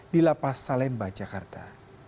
di lapa salemba jakarta